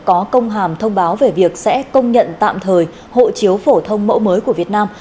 có công hàm thông báo về việc sẽ công nhận tạm thời hộ chiếu phổ thông mẫu mới của việt nam